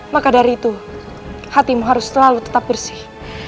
maka dari itu hatimu harus selalu tetap bersih